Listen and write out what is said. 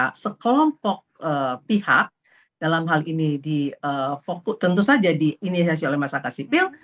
maka sekelompok pihak dalam hal ini di fokus tentu saja di iniesiasi oleh masyarakat sipil